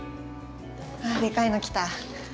あでかいの来た。